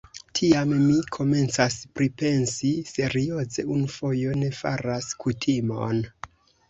Tiam, mi komencas pripensi serioze: unu fojo ne faras kutimon.